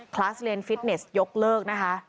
คลาสเรียนฟิตเนสยกเลิกนะคะ